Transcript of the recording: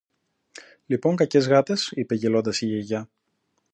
Λοιπόν κακές γάτες, είπε γελώντας η Γιαγιά